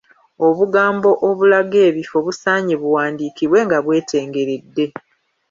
Obugambo obulaga ebifo busaanye buwandiikibwe nga bwetengeredde.